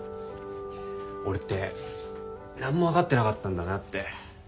俺って何も分かってなかったんだなって。